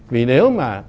vì nếu mà